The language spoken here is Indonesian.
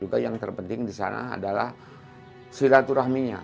juga yang terpenting disana adalah silaturahminya